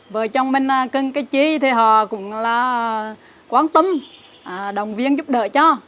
vợ chồng mình cần cái gì thì họ cũng quan tâm đồng viên giúp đỡ cho